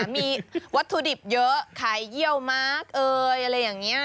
มีวัตถุดิบเยอะขายเยี่ยวมากเอ่ยอะไรอย่างนี้